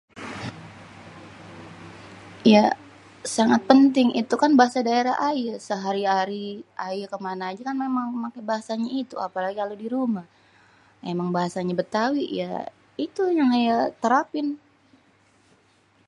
Iya sangat penting. Itu kan bahasa daerah ayé sehari-hari ayé ke mana ajé emang paké bahasanya itu. Apalagi kalo di rumah. Emang bahasanya Betawi ya itu yang ayé terapin.